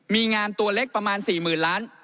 มีงานตัวเล็กประมาณ๔๐๐๐ล้าน